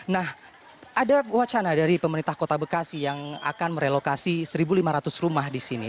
nah ada wacana dari pemerintah kota bekasi yang akan merelokasi satu lima ratus rumah di sini